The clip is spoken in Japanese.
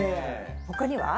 他には？